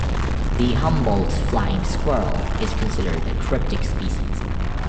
The Humboldt's flying squirrel is considered a cryptic species.